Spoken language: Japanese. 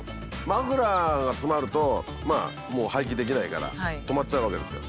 マフラーが詰まるともう排気できないから止まっちゃうわけですよ。